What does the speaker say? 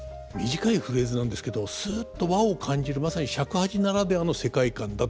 短いフレーズなんですけどすっと和を感じるまさに尺八ならではの世界観だと思いますね。